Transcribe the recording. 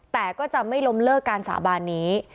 แต่ก็จะไม่ล้มเลิกการสาบานนี้